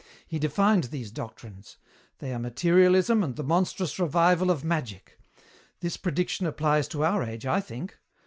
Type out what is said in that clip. He defined these doctrines. They are materialism and the monstrous revival of magic. This prediction applies to our age, I think.